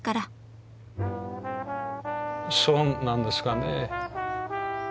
そうなんですかね。